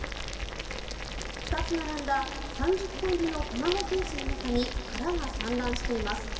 ２つ並んだ３０個入りの卵ケースの中に殻が散乱しています。